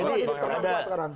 ini terang terang sekarang